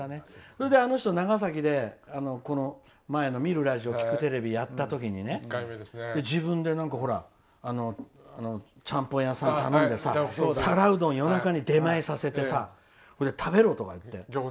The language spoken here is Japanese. それであの人、長崎でこの前「見るラジオ・聴くテレビ」やったとき自分でちゃんぽんを頼んでさ皿うどん夜中に出前させて食べろとかって。